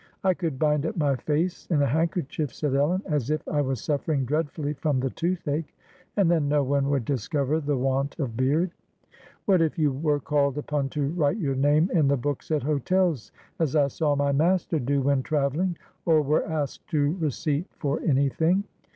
li I could bind up my face in a handkerchief," said Ellen, " as if I was suffering dreadfully from the toothache, and then no one would discover the want of beard." "What if you were called upon to write your name in the books at hotels, as I saw my master do when travel ling, or were asked to receipt for any thing?"